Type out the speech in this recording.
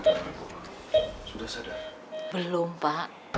biar bapak yang nungguin karla